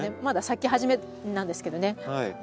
まだ咲き始めなんですけどね。